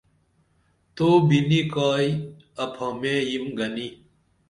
تو بِنی کائی اپھامے یم گنی